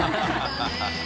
ハハハ